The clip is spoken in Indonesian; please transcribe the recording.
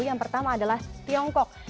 yang pertama adalah tiongkok